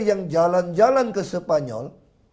yang jalan jalan ke spanyol